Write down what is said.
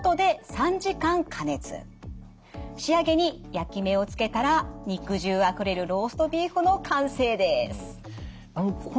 仕上げに焼き目を付けたら肉汁あふれるローストビーフの完成です。